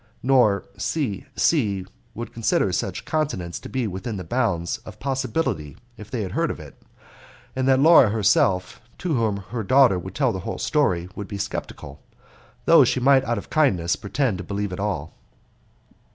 nor C. C. would consider such continence to be within the bounds of possibility, if they heard of it, and that Laura herself, to whom her daughter would tell the whole story, would be sceptical, though she might out of kindness pretend to believe it all.